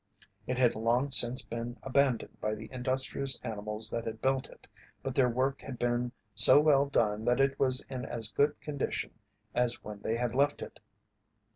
It had long since been abandoned by the industrious animals that had built it, but their work had been so well done that it was in as good condition as when they had left it.